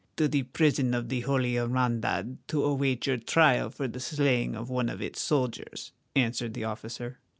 "To the prison of the Holy Hermandad to await your trial for the slaying of one of its soldiers," answered the officer.